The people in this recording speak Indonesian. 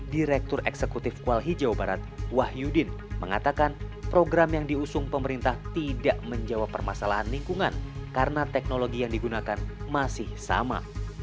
direktur eksekutif kual hijau barat wahyudin mengatakan program yang diusung pemerintah tidak menjawab permasalahan lingkungan karena teknologi yang digunakan masih sama